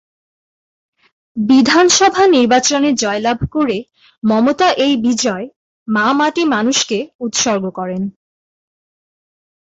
বিধানসভা নির্বাচনে জয়লাভ করে মমতা এই বিজয় "মা মাটি মানুষ"কে উৎসর্গ করেন।